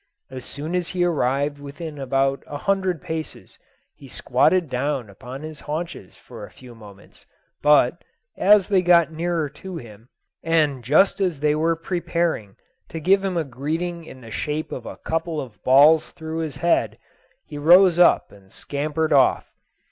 As soon as he arrived within about a hundred paces he squatted down upon his haunches for a few moments; but, as they got nearer to him, and just as they were preparing to give him a greeting in the shape of a couple of balls through his head, he rose up and scampered off.